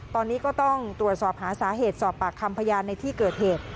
ตอนนี้ก็ต้องตรวจสอบหาสาเหตุสอบปากคำพยานในที่เกิดเหตุ